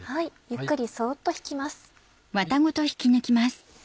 ゆっくりそっと引きます。